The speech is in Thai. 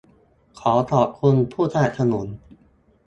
ขอขอบคุณผู้สนับสนุน